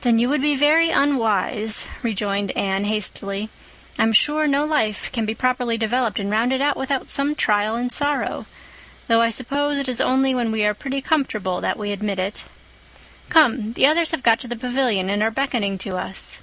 "Then you would be very unwise," rejoined Anne hastily. "I'm sure no life can be properly developed and rounded out without some trial and sorrow—though I suppose it is only when we are pretty comfortable that we admit it. Come—the others have got to the pavilion and are beckoning to us."